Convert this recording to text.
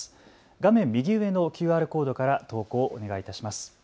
画面右上のＱＲコードから投稿をお願いいたします。